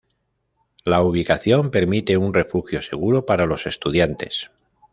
La ubicación permite un refugio seguro para los estudiantes.